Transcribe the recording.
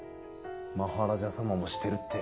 マハラジャ様もしてるって。